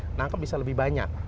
menangkap bisa lebih banyak